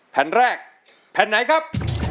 แผ่นแรกแผ่นไหนครับ